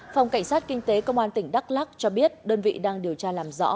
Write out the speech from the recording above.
phòng cảnh sát kinh tế công an tỉnh đắk lắc cho biết đơn vị đang điều tra làm rõ